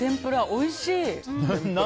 おいしい！